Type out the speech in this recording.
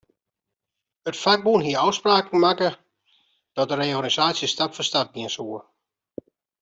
It fakbûn hie ôfspraken makke dat de reorganisaasje stap foar stap gean soe.